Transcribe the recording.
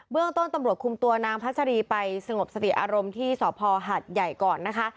เรื่องต้นตำรวจคุมตัวนางพัชรีไปสงบสติอารมณ์ที่สพหัดใหญ่ก่อนนะคะ